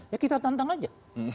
ya kita tantang aja